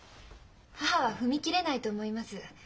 母は踏み切れないと思います。